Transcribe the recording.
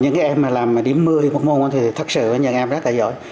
những em mà làm điểm một mươi một môn thì thật sự là những em rất là giỏi